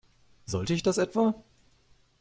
Sollte ich das etwa?